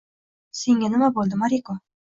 — Senga nima buldi, Moriko?